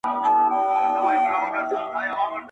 زړۀ کښې دردونه د اولس ځایوم